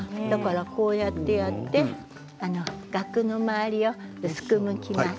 こうやってガクの周りを薄くむきます。